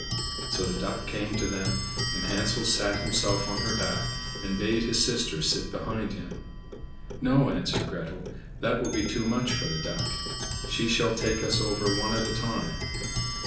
So the Duck came to them, and Hansel sat himself on her back, and bade his sister sit behind him. "No," answered Gretel, "that will be too much for the Duck; she shall take us over one at a time."